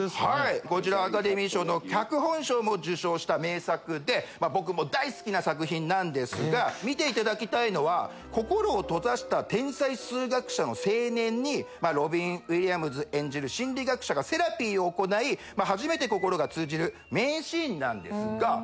こちらアカデミー賞の脚本賞も受賞した名作で僕も大好きな作品なんですが見ていただきたいのは心を閉ざした天才数学者の青年にロビン・ウィリアムズ演じる心理学者がセラピーを行い初めて心が通じる名シーンなんですが。